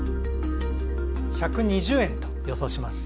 １２０円と予想します。